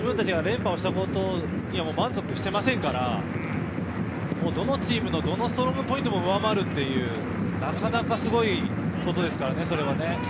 自分たちが連覇をしたことには満足していませんから、どのチームのどのストロングポイントも上回るっていう、なかなかすごいことですからね、それは。